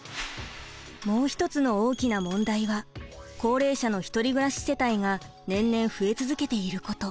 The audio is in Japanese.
もう一つの大きな問題は高齢者の一人暮らし世帯が年々増え続けていること。